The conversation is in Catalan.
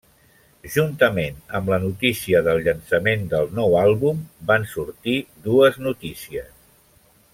Juntament amb la notícia del llançament del nou àlbum van sortir dues notícies.